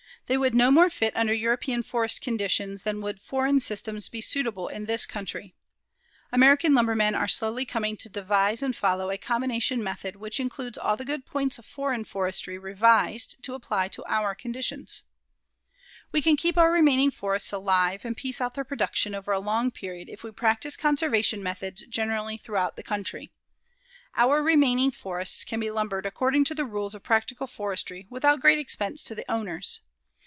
They would no more fit under European forest conditions than would foreign systems be suitable in this country. American lumbermen are slowly coming to devise and follow a combination method which includes all the good points of foreign forestry revised to apply to our conditions. We can keep our remaining forests alive and piece out their production over a long period if we practice conservation methods generally throughout the country. Our remaining forests can be lumbered according to the rules of practical forestry without great expense to the owners.